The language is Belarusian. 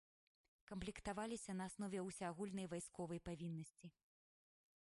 Камплектаваліся на аснове ўсеагульнай вайсковай павіннасці.